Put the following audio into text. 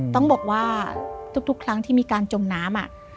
ต้องบอกว่าทุกครั้งที่มีการจมน้ำ